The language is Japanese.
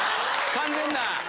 完全な。